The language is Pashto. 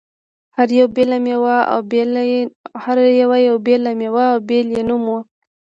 هر یوې بېله مېوه او بېل یې نوم و.